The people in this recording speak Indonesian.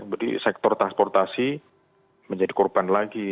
jadi sektor transportasi menjadi korban lagi